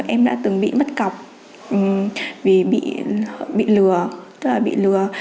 em đã từng bị mất cọc vì bị lừa